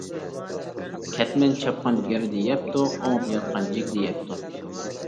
كەتمەن چاپقان گىردە يەپتۇ، ئوڭدا ياتقان جىگدە يەپتۇ.